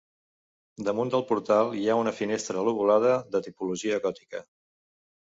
Damunt del portal hi ha una finestra lobulada, de tipologia gòtica.